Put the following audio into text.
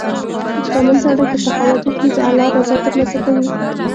• شتمن سړی که سخاوت وکړي، د الله رضا ترلاسه کوي.